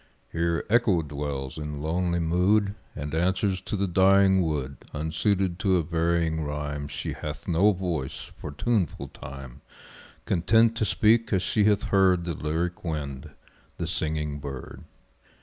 Here Echo dwells in lonely mood, And answers to the dying wood; Unsuited to a varying rhyme She hath no voice for tuneful Time Content to speak as she hath heard The lyric wind, the singing bird.